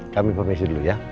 kami permisi dulu ya